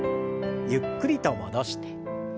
ゆっくりと戻して。